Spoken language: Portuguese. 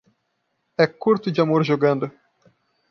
É curto de amor jogando